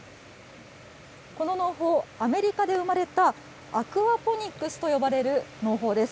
この農法、アメリカで生まれたアクアポニックスと呼ばれる農法です。